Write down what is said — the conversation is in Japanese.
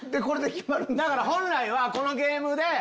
だから本来はこのゲームで。